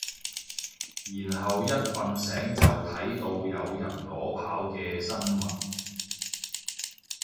然後一瞓醒就睇到有人裸跑嘅新聞